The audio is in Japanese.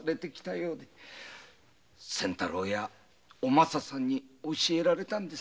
それを仙太郎やお政さんに教えられたんです。